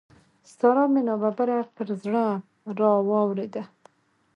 سارا مې ناببره پر زړه را واورېده.